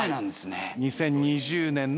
２０２０年の６月。